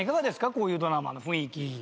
こういうドラマの雰囲気。